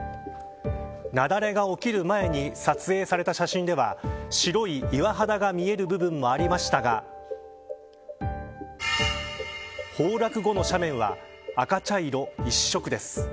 雪崩が起きる前に撮影された写真では白い岩肌が見える部分もありましたが崩落後の斜面は赤茶色一色です。